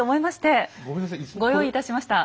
ご用意いたしました。